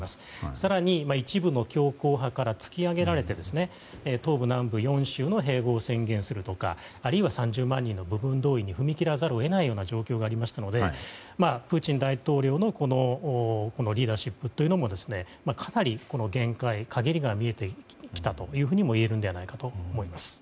更に一部の強硬派から突き上げられて東部南部４州の併合を宣言するとかあるいは３０万人の部分動員に踏み切らざるを得ない状況にありましたのでプーチン大統領のリーダーシップというのもかなり限界陰りが見えてきたといえると思います。